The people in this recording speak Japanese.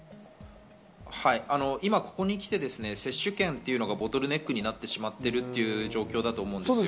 今、ここにきて接種券がボトルネックになってしまっている状況だと思うんですよ。